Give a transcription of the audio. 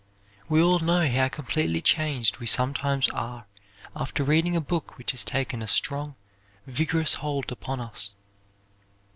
We all know how completely changed we sometimes are after reading a book which has taken a strong, vigorous hold upon us.